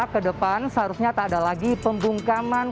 ke depan seharusnya tak ada lagi pembungkaman